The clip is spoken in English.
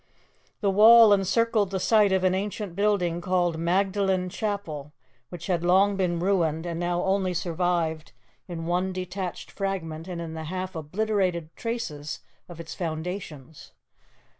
The wall encircled the site of an ancient building called Magdalen Chapel, which had long been ruined, and now only survived in one detached fragment and in the half obliterated traces of its foundations.